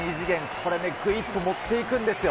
これね、ぐいっと持っていくんですよ。